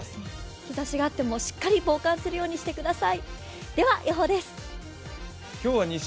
日ざしがあってもしっかり防寒するようにしてください。